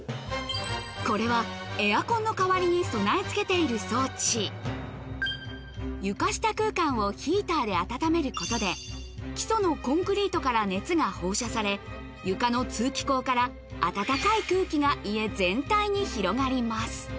これはエアコンの代わりに備え付けている装置床下空間をヒーターで暖めることで基礎のコンクリートから熱が放射され床の通気口から温かい空気が家全体に広がります